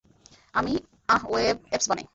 আমি, আহ, web apps বানাই।